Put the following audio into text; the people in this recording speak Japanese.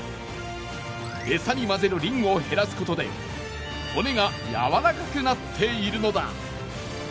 エサに混ぜるリンを減らすことで骨がやわらかくなっているのだ。